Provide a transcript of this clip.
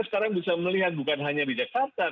sekarang bisa melihat bukan hanya di jakarta